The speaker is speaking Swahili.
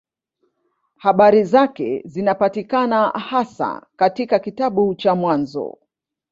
Habari zake zinapatikana hasa katika kitabu cha Mwanzo.